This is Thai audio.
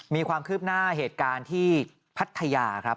มีความคืบหน้าเหตุการณ์ที่พัทยาครับ